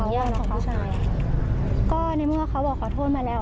ญาติของผู้ชายก็ในเมื่อเขาบอกขอโทษมาแล้ว